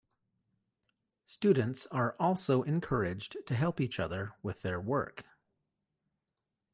Students are also encouraged to help each other with their work.